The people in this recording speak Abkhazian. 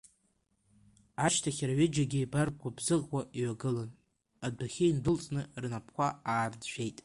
Ашьҭахь рҩыџьагьы еибаргәыбзыӷуа иҩагылан, адәахьы индәылҵны рнапқәа аарыӡәӡәеит.